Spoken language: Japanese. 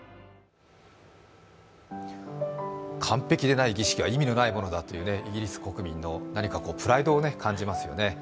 完璧でない儀式は意味のないものだという、イギリス国民のプライドを感じますよね。